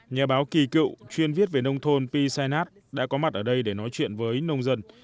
nhà báo kỳ cựu chuyên viết về nông thôn pisanat đã có mặt ở đây để nói chuyện với nông dân